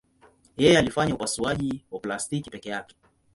Yeye alifanya upasuaji wa plastiki peke yake.